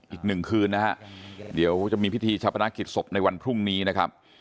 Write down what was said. อีกหนึ่งคืนนะฮะเดี๋ยวจะมีพิธีชาพนักกิจศพในวันพรุ่งนี้นะครับ